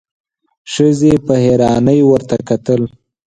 ښځې په حيرانۍ ورته کتل: